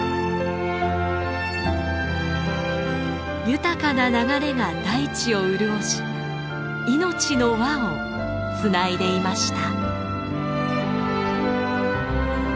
豊かな流れが大地を潤し命の輪をつないでいました。